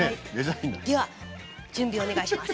では準備をお願いします。